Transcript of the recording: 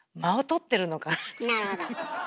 なるほど。